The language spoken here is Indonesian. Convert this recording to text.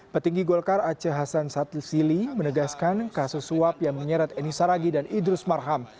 petinggi golkar aceh hasan satu sili menegaskan kasus suap yang menyeret eni saragi dan idrus marham